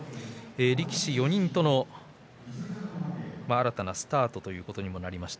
力士４人との新たなスタートということにもなりました。